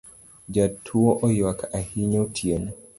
Jatuo oyuak ahinya otieno